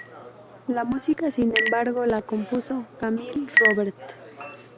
La música, sin embargo, la compuso Camille Robert.